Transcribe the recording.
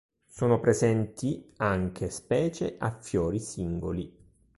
Sono presenti anche specie a fiori singoli.